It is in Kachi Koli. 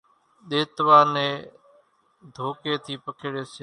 ۮيتوا ني ڌوڪي ٿي پکيڙي سي۔